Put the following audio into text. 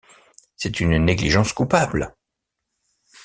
C’est une négligence coupable.